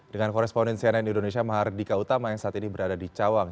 dengan koresponden cnn indonesia mahardika utama yang saat ini berada di cawang